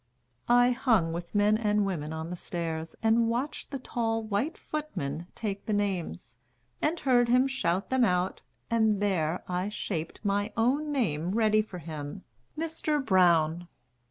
I hung with men and women on the stairs And watched the tall white footman take the names, And heard him shout them out, and there I shaped My own name ready for him, "Mr. Brown."